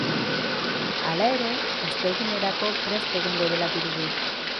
Hala ere, ostegunerako prest egongo dela dirudi.